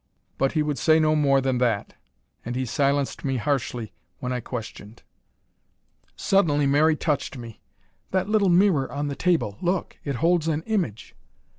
But he would say no more than that, and he silenced me harshly when I questioned. Suddenly, Mary touched me. "That little mirror on the table look! It holds an image!"